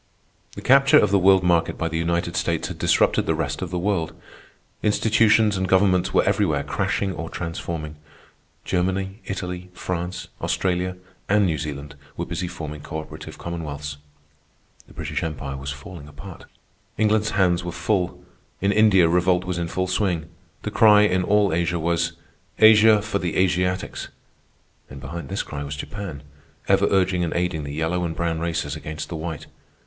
The capture of the world market by the United States had disrupted the rest of the world. Institutions and governments were everywhere crashing or transforming. Germany, Italy, France, Australia, and New Zealand were busy forming cooperative commonwealths. The British Empire was falling apart. England's hands were full. In India revolt was in full swing. The cry in all Asia was, "Asia for the Asiatics!" And behind this cry was Japan, ever urging and aiding the yellow and brown races against the white.